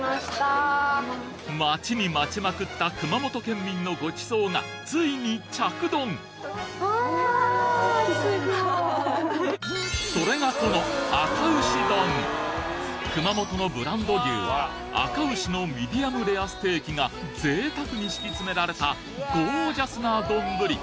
待ちに待ちまくった熊本県民のごちそうがついに着丼それがこの熊本のブランド牛あか牛のミディアムレアステーキがぜいたくに敷き詰められたゴージャスな丼